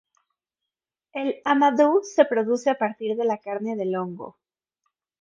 El amadou se produce a partir de la carne del hongo.